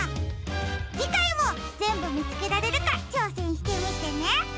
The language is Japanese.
じかいもぜんぶみつけられるかちょうせんしてみてね！